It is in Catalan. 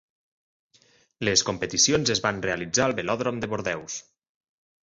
Les competicions es van realitzar al Velòdrom de Bordeus.